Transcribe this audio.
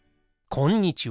こんにちは。